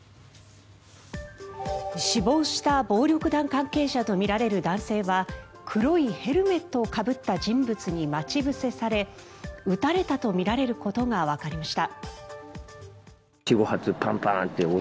死亡した暴力団関係者とみられる男性は黒いヘルメットをかぶった人物に待ち伏せされ撃たれたとみられることがわかりました。